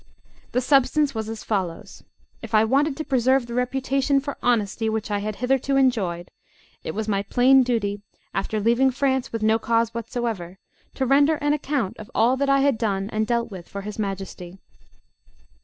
The substance was as follows: If I wanted to preserve the reputation for honesty which I had hitherto enjoyed, it was my plain duty, after leaving France with no cause whatsoever, to render an account of all that I had done and dealt with for his Majesty.